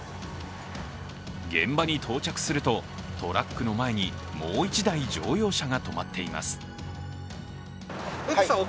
現場に到着すると、トラックの前にもう１台、乗用車が止まっています。